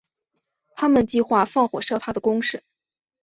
他们计划放火烧他的宫室。